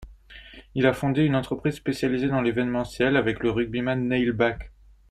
Il a fondé une entreprise spécialisée dans l'événementiel avec le rugbyman Neil Back.